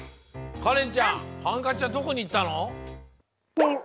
かれんちゃんハンカチはどこにいったの？